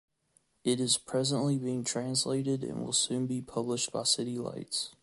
It is presently being translated and will soon be published by City Lights.